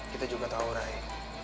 kita juga tau rai